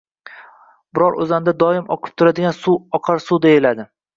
Biror oʻzanda doim oqib turadigan suv oqar suv deyiladi